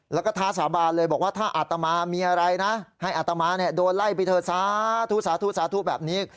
แล้วก็ท้าสาบานเลยบอกว่าถ้าอาตมามีอะไรนะให้อาตมาโดนไล่ไปเถอะสาธุสาธุสาธุแบบนี้